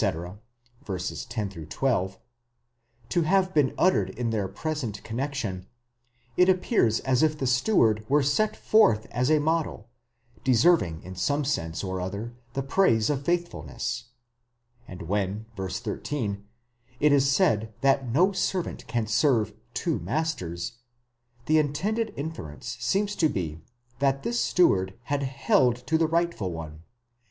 (10 12) to have been uttered in their present connexion, it appears as if the steward were set forth as a model, deserving in some sense or other the praise of faithfulness ; and when (v. 13) it is said that no servant can serve two masters, the intended inference seems to be that this steward had held to the rightful one.